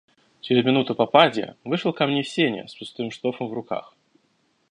Через минуту попадья вышла ко мне в сени с пустым штофом в руках.